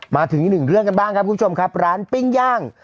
มาถึงอีกหนึ่งเรื่องกันบ้างครับคุณผู้ชมครับร้านปิ้งย่าง